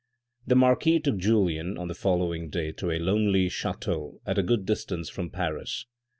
The marquis took Julien on the following day to a lonely chateau at a good distance from Paris.